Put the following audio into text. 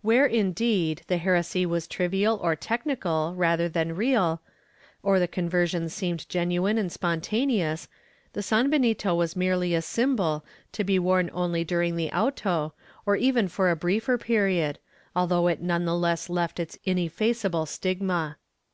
Where, indeed, the heresy was trivial or technical rather than real, or the conversion seemed genuine and spontaneous, the sanbenito was merely a symbol, to be worn only during the auto, or even for a briefer period, although it none the less left its ineffaceable stigma.